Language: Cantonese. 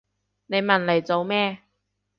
你問嚟做咩？